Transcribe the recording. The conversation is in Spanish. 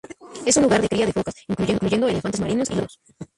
Es un lugar de cría de focas, incluyendo elefantes marinos y lobos marinos.